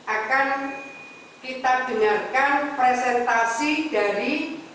akan kita dengarkan presentasi dari